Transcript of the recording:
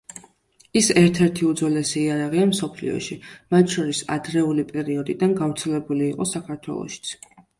ის, ერთ-ერთი უძველესი იარაღია მსოფლიოში, მათ შორის ადრეული პერიოდიდან გავრცელებული იყო საქართველოშიც.